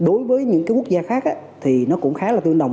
đối với những cái quốc gia khác thì nó cũng khá là tương đồng